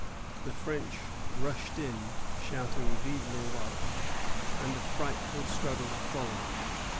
The French rushed in, shouting Vive le roi, and a frightful struggle followed.